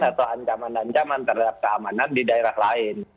atau ancaman ancaman terhadap keamanan di daerah lain